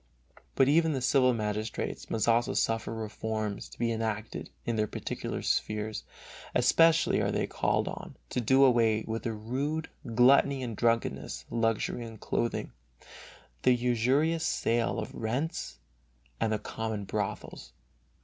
But even the civil magistrates must also suffer reforms to be enacted in their particular spheres; especially are they called on to do away with the rude "gluttony and drunkenness," luxury in clothing, the usurious sale of rents and the common brothels.